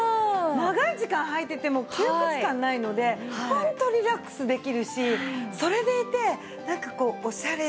長い時間はいてても窮屈感ないのでホントリラックスできるしそれでいてなんかこうおしゃれに使える。